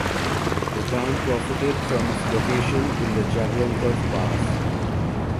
The town profited from its location in the Jablunkov Pass.